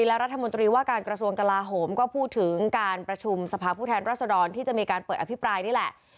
และรัฐมนตรีว่าการกระทรวงกลาโหมก็พูดถึงการประชุมสภาพผู้แทนรัศดรที่จะมีการเปิดอภิปรายนี่แหละ